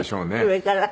上から？